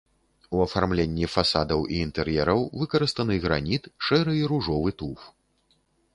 У афармленні фасадаў і інтэр'ераў выкарыстаны граніт, шэры і ружовы туф.